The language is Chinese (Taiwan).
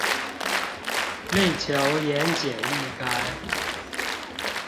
力求言簡意賅